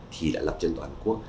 thì đã lập trên toàn quốc